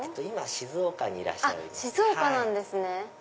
静岡なんですね。